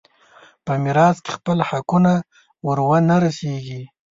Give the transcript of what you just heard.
په میراث کې خپل حقونه ور ونه رسېږي.